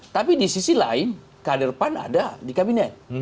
tapi di sisi lain kader pan ada di kabinet